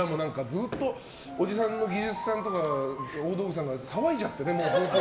ずっとおじさんの技術さんとか大道具さんが騒いじゃってね、もう。